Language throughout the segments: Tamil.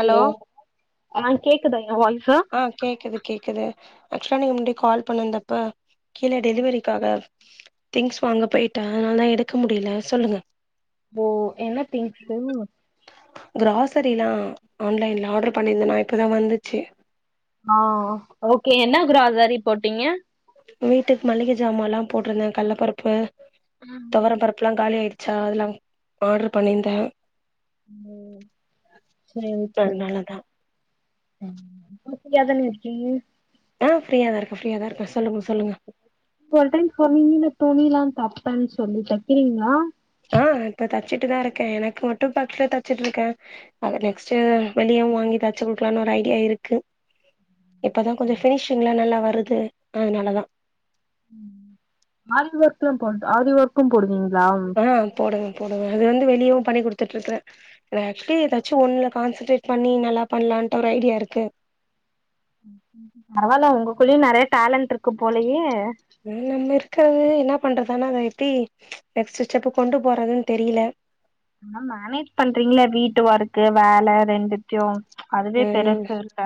ஹலோ ஆ கேக் க்கு [unintelligible] ஆ கேக்குது கேக்குது ஆக்சுவலா நீங்க முந்தி கால் பண்ணிருந்தப்ப கீழ டெலிவரிக்காக திங்ஸ் வாங்க போயிட்டே அதனாலதா எடுக்க முடியல சொல்லுங்க ஓ என்ன திங்ஸு க்ராசரிலா ஆன்லைன்ல ஆர்டர் பண்ணிருந்தனா இப்பதா வந்துச்சு ஆ ஓ ஓகே என்ன க்ராசரி போட்டீங்க வீட்டுக்கு மளிகை ஜாமான்லா போட்ருந்தே கள்ளபருப்பு [inaudible] துவரம் பருப்புலா காலி ஆயிரு சா அதெல்லா ஆர்டர் பண்ணிருந்தே ஓ செரி செரி அதனாலதா [unintelligible] ஃப்ரீயாதான இருக்கீங்க ஆ ஃப்ரீயா தா இருக்கே ஃப்ரீயா தா இருக்கே சொல்லுங்க சொல்லுங்க போன டைம் சொன்னீங்கன்னு துணியெல்லா தச் ஃப்ரண்ட்ஸ் சொல்லி தக்கிறீங்களா ஆ இப்ப தச்சுட்டுதா இருக்கே எனக்கு மட்டு [unintelligible] தச்சுட்டு இருக்கே அத நெக்ஸ்ட்உ வெளியவு வாங்கி தச்சி குடுக்கலான்னு ஒரு ஐடியா இருக்கு இப்பதா கொஞ்ச ஃபினிஷிங்ளா நல்லா வர் ருது அதனாலதா ம் ஆரி ஒர்க்கெல்லா போட் ஆரி ஒர்க்கும் போடுவிங் ஆ போடுவே போடுவே அது ரெண்டு வேலயு பண்ணி குடுத்துட்ருக்கற இதுல ஆக்சுவலி ஏதாச்சு ஒண்ணுல கான்சன்ட்ரேட் பண்ணி நல்லா பண்லான்ட்டு ஒரு ஐடியா இருக்கு ம் ம் பரவால்ல உங்கக்குள்ளயு நெறைய டேலண்ட் இருக்கு போலயே ம் நம்ம இருக்கவே என்னா பண்றது ஆனா இத எப்டி நெக்ஸ்ட் ஸ்டெப் கொண்டு போறதுன்னு தெரியல ஆனா மேனேஜ் பண்றீங்களே வீட்டு ஒர்க் வேல ரெண்டுத்தையு அதுவே ம் பெருசு இல்ல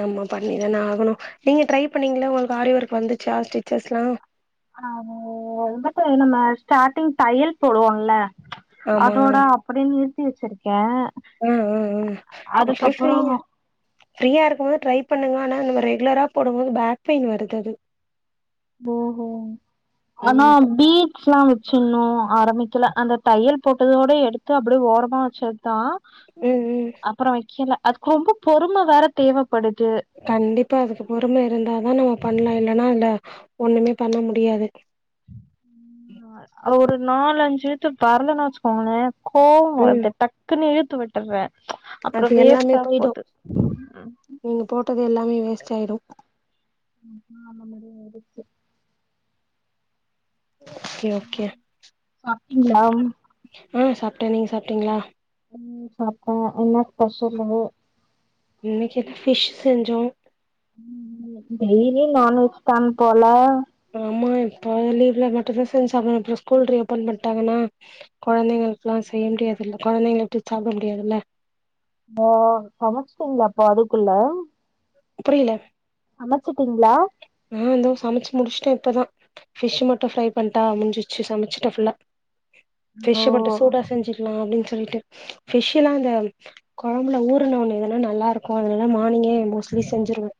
ஆமா பண்ணிதான ஆகணு நீங்க ட்ரை பண்ணீங்களா உங்களுக்கு ஆரி ஒர்க் வந்துச்சா ஸ்டிச்சஸ்லா ஆனா அது இதுக்கு நம்ம ஸ்டார்டிங் தையல் போடுவோம்ல ஆமா அதோட அப்டினு தச்சி வச்சிருக்கே ஆ ஆ ஆ ஆக்சுவலி அதுக்கப்புறோ செய்ங்க ஃப்ரீயா இருக்கும்போது ட்ரை பண்ணுங்க ஆனா நம்ம ரெகுலரா போடும் போது பேக் பெயின் வருது அது ஓஹோ ஆனா ம் பீச் ல்லா வச்சிடணு ஆரம்பிக்கல அந்த தையல் போட்டதோடே எடுத்து அப்டியே ஓரமா வச்சதுதா ம் ம் அப்பறோ வைக்கல அதுக்கு ரொம்ப பொறும வேற தேவப் கண்டிப்பா அதுக்கு பொறுமை இருந்தாதா நம்ம பண்லா இல்லான இல்ல ஒண்ணுமே பண்ண முடியாது ம் அது ஒரு நாலு அஞ்சு [unintelligible] பரலன்னு வச்சுக்கோங்களே கோவோ ம் வருது டக்குனு இந் ட்டு விட்டர்றே அது எல்லாமே போயிடு நீங்க போட்டது எல்லாமே வேஸ்டாயிடு [unintelligible] அந்த மாரியு இருக்கு ஓகே ஓகே ம் சாப்டிங்களா ம் சாப்ட்டேன் நீங்க சாப்டிங்களா ம் சாப்டோ என்ன ஸ்பெஷலு இன்னைக்கி ஃபிஷ் செஞ்சோ ம் ம் டெய்லி நான்வெஜ்தா போல ஆமா இப்போ லீவ்ல மட்டும்தா செஞ்சு சாப்ட முடியு அப்றோ ஸ்கூல் ரீ-ஒபன் பண்ணிட்டாங்கன்னா கொழந்தைகளுக்கெல்லா செய்ய முடியாதுல்ல கொழந்தைகள விட்டு சாபபிட முடியாதுல்ல ஓ சமைச்சிட்டீங்களா அப்ப அதுக்குள்ள புரியல சமைச்சிட்டீங்களா நா இதோ சமைச்சு முடிச்சுட்டே இப்பதா ஃபிஷ் மட்டு ஃப்ரை பண்ணிட்டா முடிஞ்சிச்சு சமைச்சுட்டே ஃபுல்லா ஓ ஃபிஷ் மட்டு சூடா செஞ்சசுக்கலா அப்டின்னு சொல் சொல்லிட்டு பிஷ்லா அந்த கொழம்புல ஊருனவுட்னேதா நல்லா இருக்கும் அதனால மார்னிங்கே முடிச்சிட்டு த்ரி செஞ்சிருவே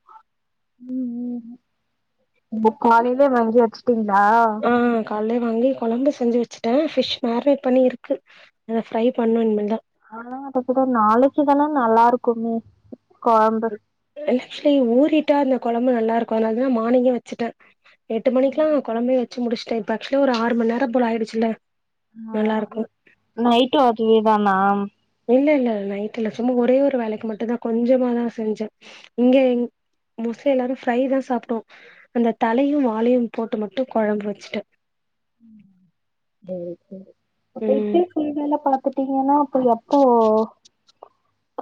புக் வாளில வாங்கியாச்சு க்கீங்களா? ஆ கால்லே வாங்கி கொழம்பு செஞ்சு வச்சுட்டேன் பிஷ் மேரினேட் பண்ணி இருக்கு அத ஃபிரை பண்ணணு இனிமேல்தா ஆனா அத கூட நாளைக்கி இதெல்லா நல்லா இருக்குமே கொழம்பு [inaudible] ஆக்சுவலி ஊறி ட்டா இந்த கொழம்பு நல்லா இருக்கும் அதனாலதா நான் மானிங்கே வச்சுட்டேன் எட்டு மணிக்கல்லா கொழம்பு வச்சு முடிச்சுட்டே இப்ப ஆக்சுவலி ஒரு ஆறு மணி நேரோ போல ஆகிடுச்சல்ல ஆ நைட்டு அகேதா நாம் இல்ல இல்ல நைட் இல்ல சும்மா ஒரே ஒரு வேளைக்கி மட்டும்தா கொஞ்சமாதா செஞ்சே. இங்க மோஸ்ட்லி எல்லாரு ஃப்ரைதா சாப்ட்டோம் அந்த தலையும் வாலையும் போட்டு மட்டு கொழம்பு வச்சுட்டோ ம் ம் டைரக்டு அப்ப ம் இப்பய சீன் எல்லா பாத்துட்டீங்கன்னா அப்ப எப்போ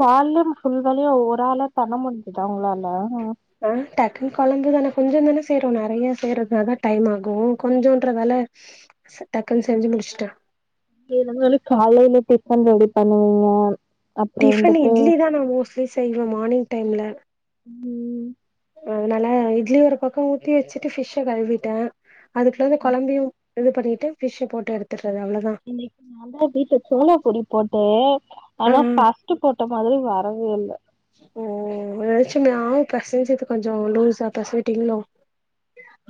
கால்ல இருந்து ஃபுல்வேலையு அவங்க ஒரு ஆளா பண்ண முடிஞ்சுதா அவங்களால ஆ டக்குன்னு கொழம்புகள கொஞ்சம்தான செய்றோம் நெறைய செய்றதுனாதா டைம் ஆகு கொஞ்சன்றதால டக்குன்னு செஞ்சு முடிச்சுட்டேன் [unintelligible] காலையல டிஃபன் ரெடி பண்ணுவீங்க அப்புறோ டிஃபன் வந்துட்டு இட்லிதா நா மோஸ்ட்லி செய்வே மார்னிங் டைம்ல ம் அதனால இட்லி ஒரு பக்கோ ஊத்தி வச்சுட்டு ஃபிஷ்ஷ கழுவிட்டே அதுக்குள்ள இந்த கொழந்தையு இது பண்ணிட்டு பிஷ்ஷு போட்டு எடுத்துரு. இன்னைக்கி நான்தா வீட்ல சோளாப்பூரி போட்டே ஆ ஆ ஆனா ஃபஸ்ட்டு போட்ட மாதிரி வரவே இல்ல ஓ [unintelligible] பெசஞ்சுது கொஞ்சோ லூஸா பெசஞ்சிட்டீங்களோ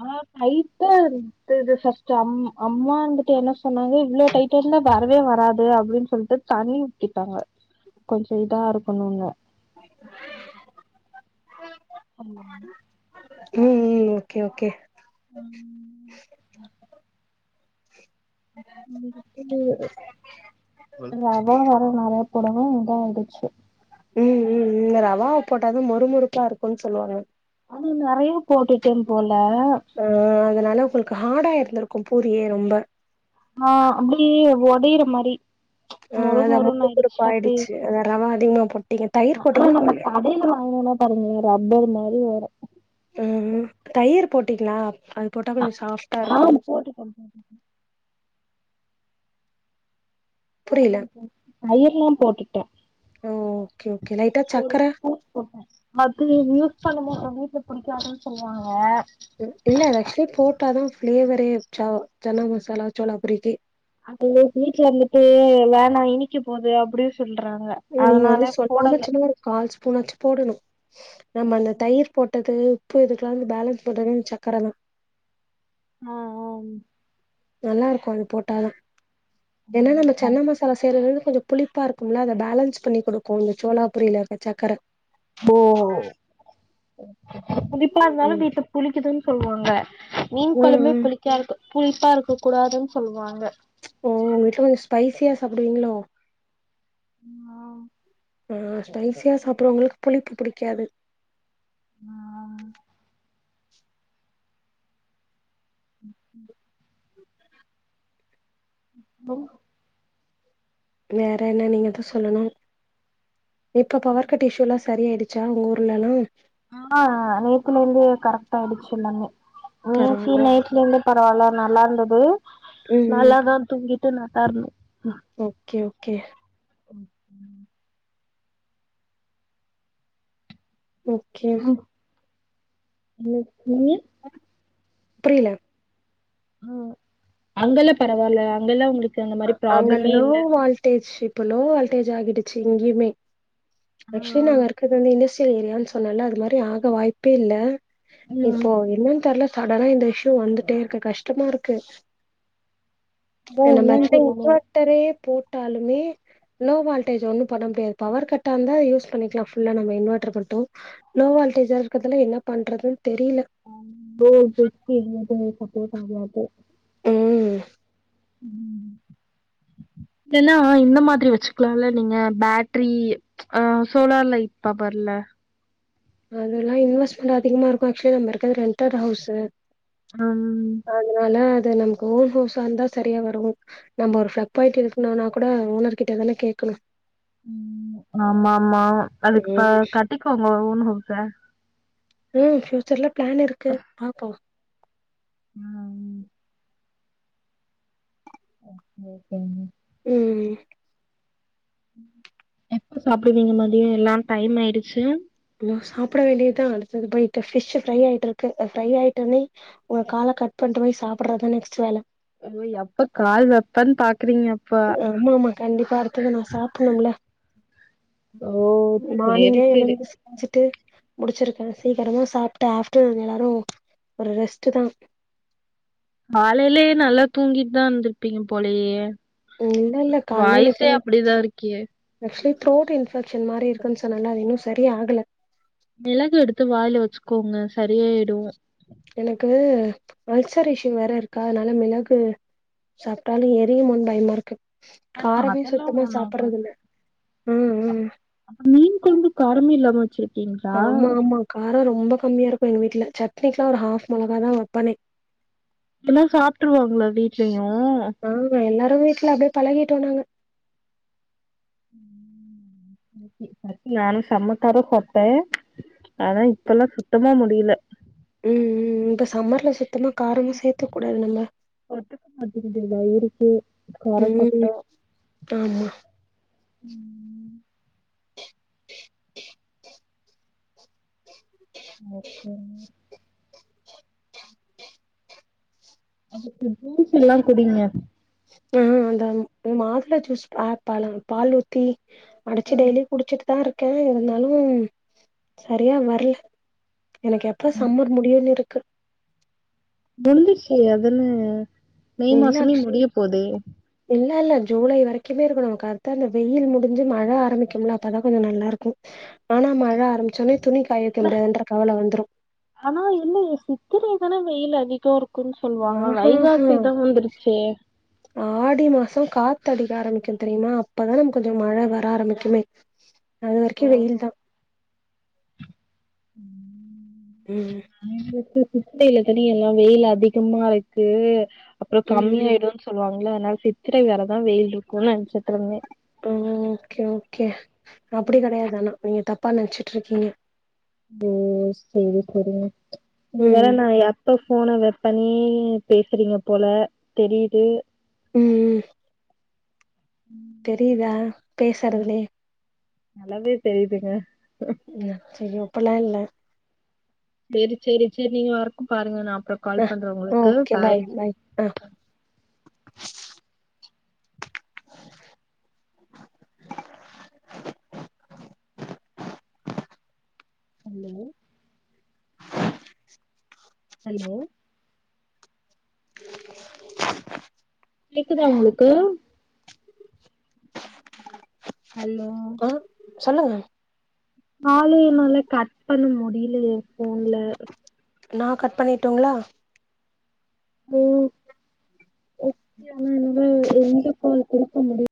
ஆ டைட்டா இருந்துது ஃபர்ஸ்ட் அம் அம்மா இருந்துட்டு என்ன ஸ் சொன்னாங்க இவ்ளோ டைட்டால்லா வரவே வராது இது அப்டின்னு சொல்லிட்டு தண்ணி ஊத்திட்டாங்க கொஞ்ச இதா இருக்கணுன்னு [inaudible] ஆமா ஆமா ம் ம் ஓகே- ஓகே ஆ [inaudible] ரவ வேற நெறையா போடவு இதாயிடுச்சு ம் ம் ம் ரவாவ போட்டாதா மொறுமொறுப்பா இருக்கும்னு சொல்வாங்க ஆனா நெறைய போட்டுட்டே போல் ஆ அதனால [unintelligible] ஹார்டா இருந்துருக்கும் பூரியே ரொம்ப ஆ அப்டி ஒடையற மாரி ஆ மொறு அதா மொறுன்னு மொறுமொறுப்பா ஆயிடுச்சு ரவ அதிகமா போட்டீங்க ஆ தயிர் ஆனா போட்டீங்களா நம்ம போட்லயா கடைல வாங்குனா பாருங்க ரப்பர் மாரி வரு ம் ம் தயிர் போட்டீங்களா அது போட்டா கொஞ்ச சாஃப்டா ஆ இருக்கும் போட்டுட்டே புரியல [inaudible] தயிர்லா போட்டுட்டே ஓ ஓகே ஓகே லைட்டா ஒரு சக்கர ஸ்பூன் போட்டே மத்தது யூஸ் பண்ண மாட்ட வீட்ல புடிக்காதுன்னு சொல்வாங்க அ இல்ல அது ஆக்சுவலி போட்டாதா ஃபிளேவரே ச சன்னா மசாலா சோளாபூரிக்கி அது வீட்ல இருந்துட்டு வேணா இனிக்கப் போது அப்டி சொல்றாங்க நீங்க வந்து அதனால சொல்லாம போடல சும்மா ஒரு கால் ஸ்பூனாச்சு போடணு நம்ம அந்த தயிர் போட்டது இப்போ இதுக்கெல்லா வந்து பேலன்ஸ் பன்றது இந்த சக்கரதா ஆ ஆ ம் நல்லா இருக்கும் அது போட்டாதா ஏன்னா நம்ம ஆ சன்ன மசாலா செய்ரது கொஞ்ச புளிப்பா இருக்கும்ல அத பேலன்ஸ் பண்ணி குடுக்கு இந்த சோளாபூரில இருக்க சக்கர ஓ ம் புளிப்பா இருந்தாலு ம் வீட்ல புளிக்குதுனு சொல்வாங்க மீன் ம் கொழம்பே ம் புளிக்கா இருக்கு புளிப்பா இருக்க கூடாதுன்னு சொல்வாங்க ஓ உங்க வீட்லல்லா ஸ்பைசியா சாப்டுவீங்களோ ஆமா ஆ ஸ்பைசியா சாப்டுறவங்களுக்கு புளிப்பு புடிக்காது ஆ ம் ம் மம் வேற என்ன நீங்கதான் சொல்லணும் இப்ப பவர் கட் இஷ்யூலாஸ் சரிய ஆயிடுச்சா உங்க ஊர்லலாம் ஆஹ் நேத்தில இருந்து கரெக்டா ஆயிடுச்சுல்லாமே நேத்தி பரவால்ல நைட்ல இருந்து பா வல நல்லா இருந்தது நல்லதா தூங்கி [unintelligible] ஓக்கே கே ஹ ஓக்கே உ நீ புரில ஆஹ அங்கெல்ல பரவால்ல அங்கல்லா உங்களுக்கு அந்த மாரி அங்க அங்க ப்ராப்ளமே லோ இல்ல வால்டேஜ் இப்ப லோ வால்டேஜ் ஆகிடு சிங்கிமே ஆ ஆக்சுலி நாங்க இருக்குறது வந்து [unintelligible] ஏரியான்னு சொன்ன அது மாதிரி ஆக வாய்ப்பே இல்லை இப்போ அதா என்னன் தெரில சடனா இந்த இஷ்யூ வந்துட்டே இருக்கு கஷ்டமா இருக்கு [unintelligible] ஓட்டரே போட்டாலுமே லோ வால்டேஜ் ஒண்ணும் பண்ண முடியாது பவர் கட்டா இருந்தா யூஸ் பண்ணிக்கலாம் நம இன்வர்ட்டர மட்டும் லோ வால்டேஜா இருக்கிறதுல என்ன பண்றது [unintelligible] அப்போ [unintelligible] உம் இதெல்லாம் இந்த மாதிரி வச்சுக்கலாம்ல நீங்க பேட்டரி அஹ் சோலார் லைட் பவர்ல அதெல்லாம் இன்வெஸ்ட்மெண்ட் அதிகமா இருக்கும் ஆக்சுவலி நம்ம இருக்க ரெண்ட்டர் ஹவுஸ் ம் அதனால அது நமக்கு ஓன் ஹவுசா இருந்தா சரியா வரும் நம்ம ஒரு பிளக் பாயிட்டு இருக்கனோனா கூட ஓனர் கிட்டதானே கேட்கணும் ம் ஆமா ஆமா அதுக்குப்ப கட்டிக்ககோங்க ஒஊண்ணு ஆ ச ம் ஃபியூச்சர்ல பிளான் இருக்கு பாப்போ ஆ ம் ஆ ஓகேங்க ம் ம் எப்ப சாப்டுவீங்க மதியோ எல்லா டைம் ஆயிடுச்சு அ சாப்ட வேண்டியதுதா அடுத்தது போயிட்டு ஃபிஷ் ஃப்ரை ஆயிட்ருக்கு அது ஃப்ரை ஆயிட்டயுடனே உங்க கால கட் பண்ட்டு போய் சாப்டறதுதா நெக்ஸ்ட் வேல ஐயோ எப்ப கால் வப்பன்னு பா ஆமா-ஆமா கண்டிப்பா அடுத்தது நான் சாப்புட்ணும்ல ஓ சேரி மார்னிங்கே சேரி எழுந்து செஞ்சுட்டு முடிச்சிருக்கே சீக்கிரமா சாப்ட்டு ஆஃப்டர்நூன் எல்லாரு ஒரு ரெஸ்ட்டுதா காலையிலயே நல்லா தூங்கிட்டுதா இருந்திருப்பீங்க போலயே இல்ல இல்ல கால்ல இன்னைக்கு வாய்ஸே அப்டிதா இருக்கே ஆக்சுவலி த்ரோட் இன்ஃபெக்ஷன் மாரி இருக்குன்னு சொன்னேன்ல அது இன்னு சரி ஆகல மிளகு எடுத்து வாயில வச்சுக்கோங்க சரியாயிடு எனக்கு அல்சரேஷன் வேற இருக்கா அதனால மிளகு சாப்ட்டாலு எரியுமோன்னு பயமா இருக்கு ஆ காரமே அதெல்லா சுத்தமா ஒண்ணு சாப்ட்றது ஆகாது இல்ல ம் அப் ம் அப்ப மீன் கொழம்பு காரமே இல்லாம வச்சிருக்கீங்களா ஆமா-ஆமா காரோ ரொம்ப கம்மியா இருக்கும் எங்க வீட்ல சட்னிக்கு எல்லா ஒரு ஹாஃப் மொளகாதா வப்பனே எல்லா சாப்ட்டுருவாங்களா வீட்லயூ எங்க வீட்ல அப்டியே பழகிட்டோ நாங்க ம் ஓகே ஓகே ஃபர்ஸ்ட் நானும் செம காரோ சாப்ட்டே ஆனா இப்ப எல்லா சுத்தமா முடியல ம்-ம் ம் இப்ப சம்மர்ல சுத் த்தமா காரமே சேத்தக் கூடாது நம்ம இல்ல இருக்கு ம் ஆமா ஓகே [inaudible] அதுக்கு ஜூஸ் எல்லா குடிங்க ம் ம் அதா மாதுள ஜூஸ் ஆ பழ பால் ஊத்தி அடைச்சு ம், டெய்லி குடிச்சிட்டுதா இருக் [unintelligible] இருந்தாலு சரியா வரல எனக்கு எப்ப சம்மர் முடியுன்னு இருக் க முட்ஞ்சிருச்சு அதுல மே மாசமே முடியப் போதே இல்ல-இல்ல ஜூலை வரைக்குமே இருக்கும் நமக்கு அதுதா அந்த வெயில் முடிஞ்சு மழை ஆரம்பிக்கும்ல அப்பதா கொஞ்ச நல்லா இருக்கும் ஆனா மழை ஆரம்பிச்சவுட்னே துணி காய வைக்க முடியாதுன்ற கவல வந்ரு [unintelligible] வெயிலு அதிகோ இருக் ஆஹாஹா ஆடி மாசோ காத் த்தடிக்க ஆரம்பிக்கும் தெரியுமா அப்பதா நமக்கு கொஞ்ச மழ வர ஆரம்பிக்குமே அது வரைக்கு வெயில் தா ம் ம் [unintelligible] [unintelligible] எல்லா வெயில் அதிகமா இருக்கு அப்றோ ம் கம்மி ம் ஆயிடுனு சொல்வாங்க [unintelligible] சித்திரை வரதான வெயில் இருக்குன்னு நெனச்சிட்ருந்தே ஆ ஆ ஓகே- ஓகே அப்டி கெடையாது ஆனா நீங்க தப் ப்பா நெனுச்சுட்டு இருக்கீங்க செரிங்க இது வர நா எப் எப்ப ஃபோன வெப்பனே பேசுறீங்க போல தெரியுது ம் ம் தெரியுதா ம் பேசுறதுலயே நல்லாவே தெரியுதுங்க அ சரி ஓக் அப்டில்லா இல்ல செரி- செரி -செரி நீங்க ஒர்க் பாருங்க நா அப்புறோ ஆ கால் பண்றே உங்களுக்கு ஓகே பாய் -பாய் ஆ [unintelligible] ஹலோ [unintelligible] ஹலோ கேக்குதா உங்களுக்கு ஹலோ ஆ சொல்லுங்க கால என்னால கட் பண்ண முடியல ஏன் ஃபோன்ல நா கட் பண்ணிருட்டுங்ளா ம் ஓகே ஆனா என்னால எண்ட் கால் குடுக்க முடி